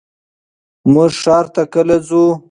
مونږ ښار ته کله ځو؟